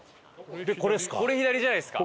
これ左じゃないですか？